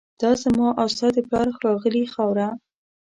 دا زما او ستا د پلار ښاغلې خاوره